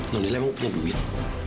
nondila emang punya duit